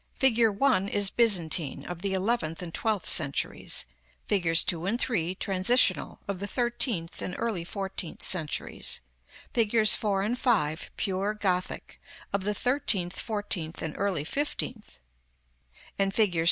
Fig. 1 is Byzantine, of the eleventh and twelfth centuries; figs. 2 and 3 transitional, of the thirteenth and early fourteenth centuries; figs. 4 and 5 pure Gothic, of the thirteenth, fourteenth and early fifteenth; and fig.